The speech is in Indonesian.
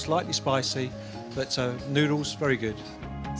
sedikit pedas tapi makanan pedas sangat enak